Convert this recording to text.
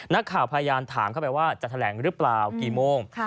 นักข่าวพยายามถามเข้าไปว่าจะแถลงหรือเปล่ากี่โมง